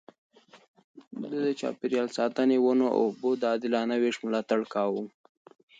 ده د چاپېريال ساتنې، ونو او اوبو د عادلانه وېش ملاتړ کاوه.